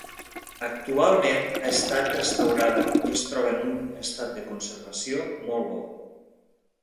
Actualment ha estat restaurada i es troba en un estat de conservació molt bo.